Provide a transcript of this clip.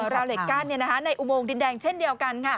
ราวเหล็กกั้นในอุโมงดินแดงเช่นเดียวกัน